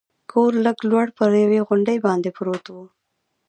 کور لږ لوړ پر یوې غونډۍ باندې پروت و.